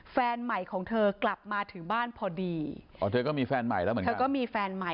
แฟนใหม่ของเธอกลับมาถึงบ้านพอดี